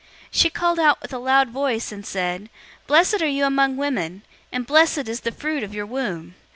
001:042 She called out with a loud voice, and said, "Blessed are you among women, and blessed is the fruit of your womb!